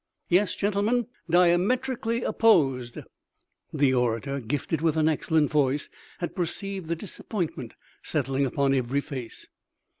" Yes, gentlemen, diametrically opposed " The orator, gifted with an excellent voice, had perceived the disappointment settling upon every face.